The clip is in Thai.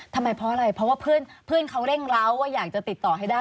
ทำไมเพราะอะไรเพราะว่าเพื่อนเขาเร่งร้าวว่าอยากจะติดต่อให้ได้